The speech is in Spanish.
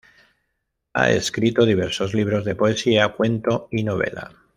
Ha escrito diversos libros de poesía, cuento y novela.